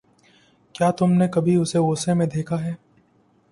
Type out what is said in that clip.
کیا تم نے کبھی اسے غصے میں دیکھا ہے؟